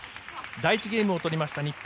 第１ゲームを取りました日本。